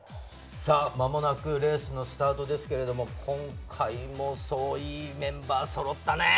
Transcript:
間もなくレースのスタートですけれども、今回もいいメンバー揃ったね。